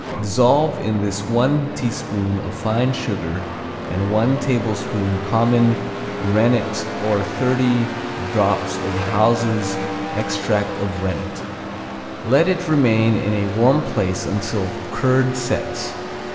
Dissolve in this one teaspoon of fine sugar and one tablespoon common rennet or thirty drops of Hauser's extract of rennet. Let it remain in a warm place until curd sets.